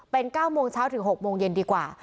เป็น๙โมงเช้าถึง๖โมงเย็นดีกว่า